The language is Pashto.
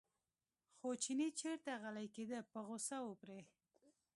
خو چینی چېرته غلی کېده په غوسه و پرې.